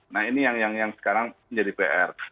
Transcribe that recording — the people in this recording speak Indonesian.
nah ini yang yang yang sekarang menjadi pr